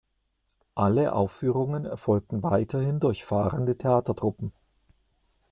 Alle Aufführungen erfolgten weiterhin durch fahrende Theatertruppen.